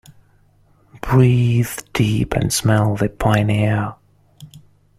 Breathe deep and smell the piny air.